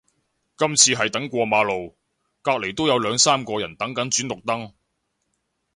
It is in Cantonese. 今次係等過馬路，隔離都有兩三個人等緊轉綠燈